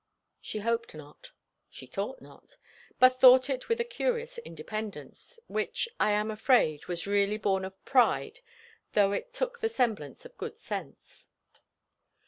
She hoped not, she thought not; but thought it with a curious independence, which I am afraid was really born of pride though it took the semblance of good sense.